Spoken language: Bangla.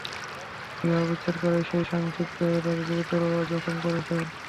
বিবাহ বিচ্ছেদ করায় সেই স্বামী ক্ষিপ্ত হয়ে তাঁকে গুরুতর জখম করেছেন।